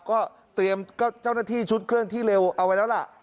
ก็เตรียมก็เจ้าหน้าที่ชุดเคลื่อนที่เร็วเอาไว้แล้วล่ะ